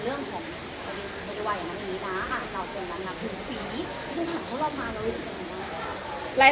เรื่องของ